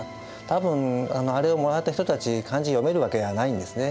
多分あれをもらった人たち漢字読めるわけがないんですね。